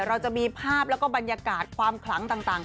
เราจะมีภาพแล้วก็บรรยากาศความคลังต่าง